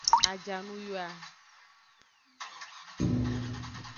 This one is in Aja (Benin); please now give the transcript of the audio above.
Ajanuyoa.